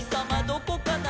どこかな？」